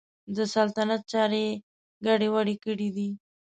د سلطنت چارې یې ګډې وډې کړي دي.